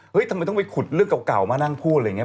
ทำไมต้องไปขุดเรื่องเก่ามานั่งพูดอะไรอย่างนี้